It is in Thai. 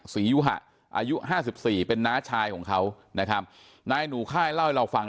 ยุหะอายุห้าสิบสี่เป็นน้าชายของเขานะครับนายหนูค่ายเล่าให้เราฟัง